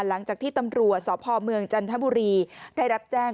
หลังจากที่ตำรวจสพเมืองจันทบุรีได้รับแจ้ง